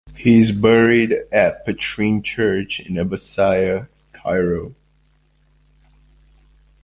He is buried at Petrine Church in Abbassia, Cairo.